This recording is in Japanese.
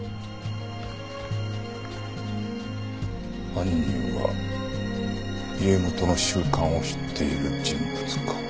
犯人は家元の習慣を知っている人物か。